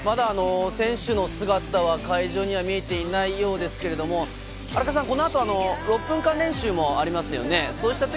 選手の姿は会場には見えていないようですけど、６分間練習もありますよね。